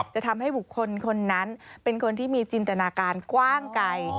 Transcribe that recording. จะทำให้บุคคลคนนั้นเป็นคนที่มีจินตนาการกว้างไกล